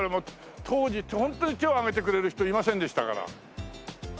当時ってホントに手を上げてくれる人いませんでしたから。